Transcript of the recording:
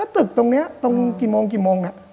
ตึกตรงนี้ตรงกี่โมงทางกี่โมง